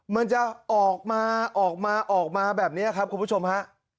มันจะออกมาออกมาแบบนี้ครับคุณผู้ชมฮะ